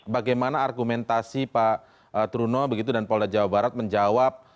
bagaimana argumentasi pak truno begitu dan polda jawa barat menjawab